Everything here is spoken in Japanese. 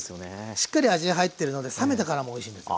しっかり味入ってるので冷めてからもおいしいんですよ。